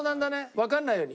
わかんないように。